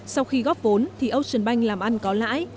sau khi góp vốn thì ocean bank làm ăn có lãi